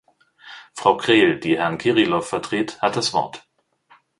Frau Krehl, die Herrn Kirilov vertritt, hat das Wort.